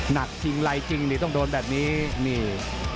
หนักจริงไรจริงนี่ต้องโดนแบบนี้นี่